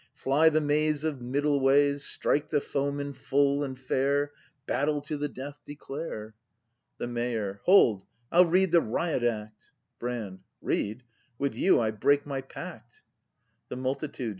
Fly the maze of middle ways. Strike the foeman full and fair. Battle to the death declare! The Mayor. Hold! I'll read the Riot Act! Brand. Read ! With you I break my pact. The Multitude.